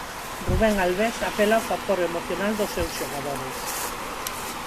Rubén Albés apela ao factor emocional dos seus xogadores.